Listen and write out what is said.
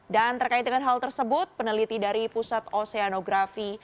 dan terkait dengan hal tersebut peneliti dari pusat oseanografi